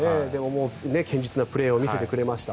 堅実なプレーを見せてくれました。